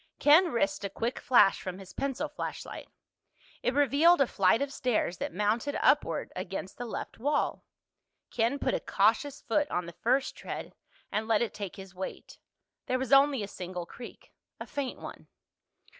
Ken risked a quick flash from his pencil flashlight. It revealed a flight of stairs that mounted upward against the left wall. Ken put a cautious foot on the first tread and let it take his weight. There was only a single creak—a faint one.